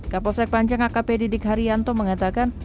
kapolsek pancang akp didik haryanto mengatakan